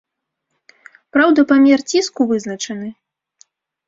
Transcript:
Праўда, памер ціску вызначаны.